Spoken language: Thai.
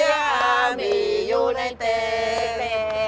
อัมมี่อยู่ในเต้น